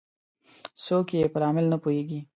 څوک یې په لامل نه پوهیږي